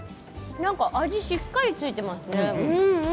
なんか味がしっかり付いてますね。